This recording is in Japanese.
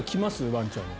ワンちゃんは。